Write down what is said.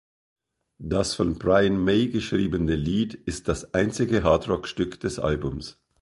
Das von Brian May geschriebene Lied ist das einzige Hard-Rock-Stück des Albums.